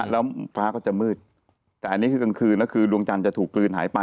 แล้วฟ้าก็จะมืดแต่นี่คือกลางคืนลวงจันจะถูกลืนหายไป